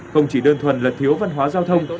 không chỉ đơn thuần là thiếu văn hóa giao thông